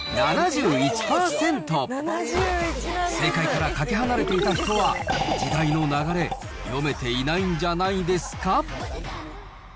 正解からかけ離れていた人は、時代の流れ、読めていないんじゃないですか。